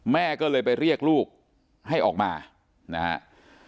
แม่ก็เลยไปเรียกลูกให้ออกมานะฮะ